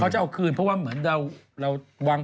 จะเอาคืนเพราะว่าเหมือนเราวาง